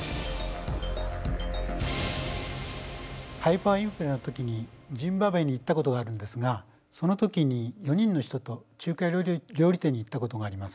ハイパーインフレのときにジンバブエに行ったことがあるんですがそのときに４人の人と中華料理店に行ったことがあります。